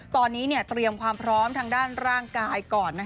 ตอนนี้เตรียมความพร้อมทางด้านร่างกายก่อน